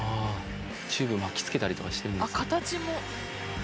チューブ巻き付けたりとかしてるんですね。